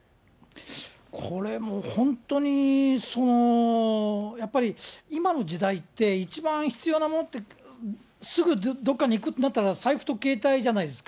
これ、もう本当に、やっぱり、今の時代って、一番必要なものって、すぐどっかに行くとなったら、財布と携帯じゃないですか。